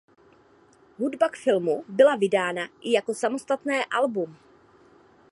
Hudba k filmu byla vydána i jako samostatné album.